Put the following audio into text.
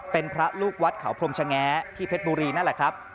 เป็นพระลูกวัดเขาพรมชะแง้ที่เพชรบุรีนั่นแหละครับ